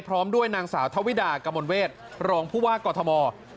พร้อมด้วยนางสาวทวิดากรรมนเวศรองผู้ว่ากฎธมอธ์